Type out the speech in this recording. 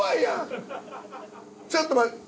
ちょっと待って。